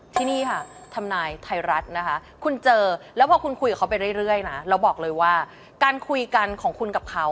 ที่นี่ค่ะทำนายไทยรัฐนะคะคุณเจอแล้วพอคุณคุยกับเขาไปเรื่อยนะเราบอกเลยว่าการคุยกันของคุณกับเขา